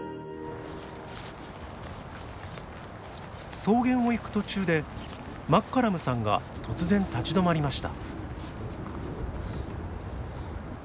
草原を行く途中でマッカラムさんが突然立ち止まりました。